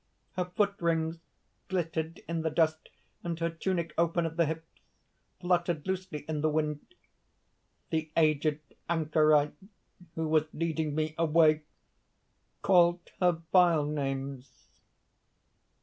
Her foot rings glittered in the dust; and her tunic, open at the hips, fluttered loosely in the wind. The aged anchorite who was leading me away called her vile names.